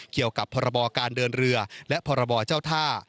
เกี่ยวกับพรบการเดินเรือและพรบเจ้าท่า